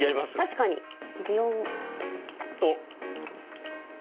確かに！擬音。